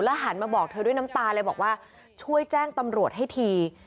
หันมาบอกเธอด้วยน้ำตาเลยบอกว่าช่วยแจ้งตำรวจให้ที